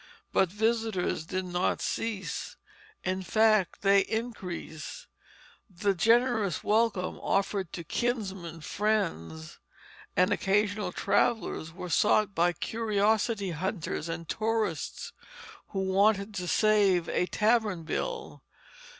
But visitors did not cease; in fact, they increased. The generous welcome offered to kinsmen, friends, and occasional travellers was sought by curiosity hunters and tourists who wanted to save a tavern bill.